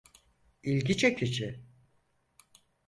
İlgi çekici.